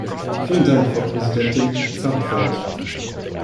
Vielen Dank, Frau Präsidentin, ich fahre fort.